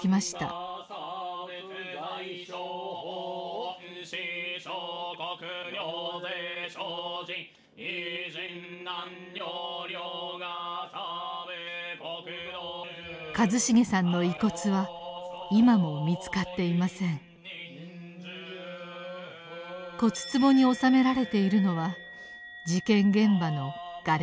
骨つぼにおさめられているのは事件現場のがれきです。